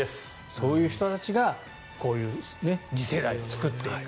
そういう人たちが次世代を作っていく。